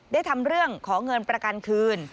ทำเรื่องขอเงินประกันคืน